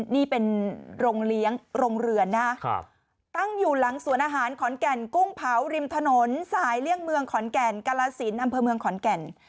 นี่เป็นโรงเลี้ยงโรงเรือนนะตั้งอยู่หลังสวนอาหารขอนแก่นกุ้งเผาริมถนนสายเลี่ยงเมืองขอนแก่นกาลสินอำเภอเมืองขอนแก่น